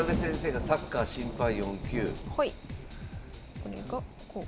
これがこう。